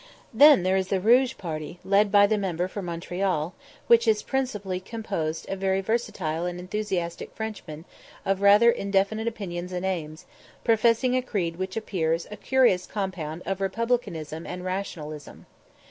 Then there is the Rouge party, led by the member for Montreal, which is principally composed of very versatile and enthusiastic Frenchmen of rather indefinite opinions and aims, professing a creed which appears a curious compound of Republicanism and Rationalism.